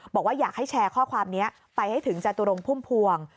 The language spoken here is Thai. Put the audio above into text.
บอกว่าอยากให้แชร์ข้อความนี้ไปให้ถึงจตุรงพุ่มพวง